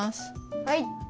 はい！